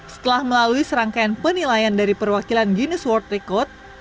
setelah melalui serangkaian penilaian dari perwakilan guinness world record